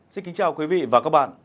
xin kính chào quý vị và các bạn